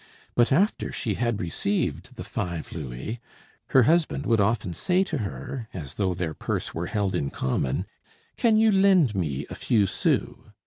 But after she had received the five louis, her husband would often say to her, as though their purse were held in common: "Can you lend me a few sous?"